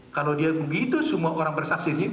kalau dia begitu semua orang bersaksi